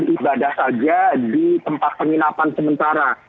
ibadah saja di tempat penginapan sementara